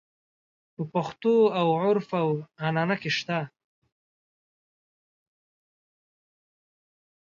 په پښتو او عُرف او عنعنه کې شته.